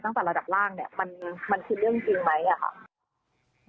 ตั้งแต่ระดับล่างมันคือเรื่องจริงไหม